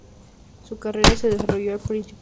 Su carrera se desarrolló principalmente en Holanda.